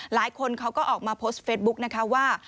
หลายคนเขาก็ออกมาโพสต์เฟสบุ๊กนะคะว่า